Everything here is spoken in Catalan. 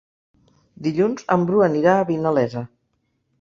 Dilluns en Bru anirà a Vinalesa.